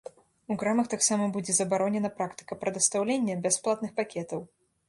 У крамах таксама будзе забаронена практыка прадастаўлення бясплатных пакетаў.